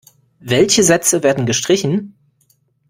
Welche Sätze werden gestrichen?